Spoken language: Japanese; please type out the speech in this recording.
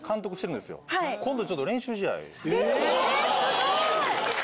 ・えすごい！